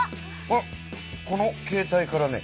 あっこのけい帯からね。